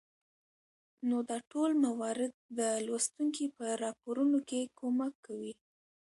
نو دا ټول موارد د لوستونکى په راپارونه کې کمک کوي